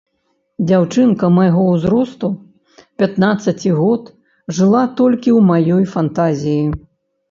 Дзяўчынка майго ўзросту, пятнаццаці год, жыла толькі ў маёй фантазіі.